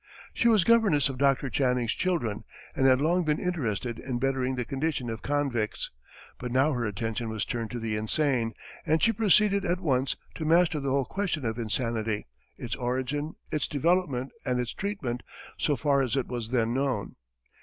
She was governess of Dr. Channing's children, and had long been interested in bettering the condition of convicts; but now her attention was turned to the insane and she proceeded at once to master the whole question of insanity, its origin, its development, and its treatment, so far as it was then known.